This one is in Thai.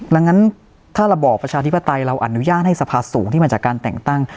ดังนั้นถ้าระบอบประชาธิปไตยเราอนุญาตให้สภาสูงที่มาจากการแต่งตั้ง